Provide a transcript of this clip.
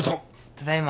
ただいま。